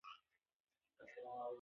هغه ورباندې ډېر شراب هم وڅښل.